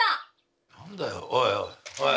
何だよおいおい。